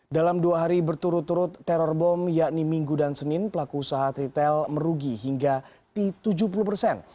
dalam dua hari berturut turut teror bom yakni minggu dan senin pelaku usaha retail merugi hingga tujuh puluh persen